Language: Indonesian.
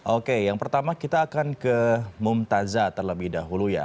oke yang pertama kita akan ke mumtazah terlebih dahulu ya